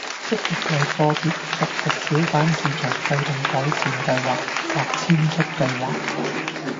積極為個別熟食小販市場制訂改善計劃或遷出計劃